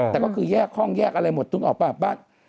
แต่ก็คือแยกห้องแยกอะไรหมดนึกออกป่ะบ้าน